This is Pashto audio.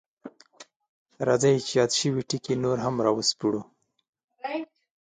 راځئ چې یاد شوي ټکي نور هم راوسپړو: